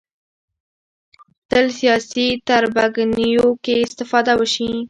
تل سیاسي تربګنیو کې استفاده وشي